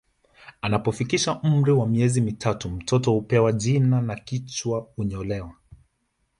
Anapofikisha umri wa miezi mitatu mtoto hupewa jina na kichwa hunyolewa